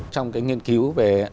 trong cái nghiên cứu về